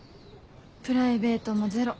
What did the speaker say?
プライベートもゼロ。